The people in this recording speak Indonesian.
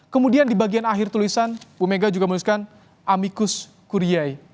kemudian di bagian akhir tulisan ibu mega juga menuliskan amicus curiae